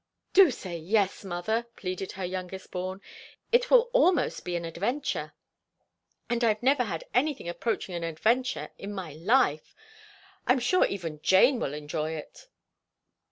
"Do say yes, mother," pleaded her youngest born. "It will almost be an adventure, and I've never had anything approaching an adventure in my life. I'm sure even Jane will enjoy it."